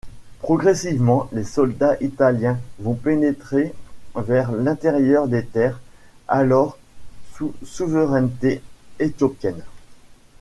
Progressivement, les soldats italiens vont pénétrer vers l'intérieur des terres alors sous souveraineté éthiopienne.